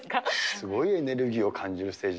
すごいエネルギーを感じるス